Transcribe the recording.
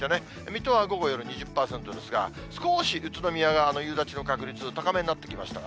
水戸は午後、夜、２０％ですが、少し宇都宮が夕立の確率、高めになってきました。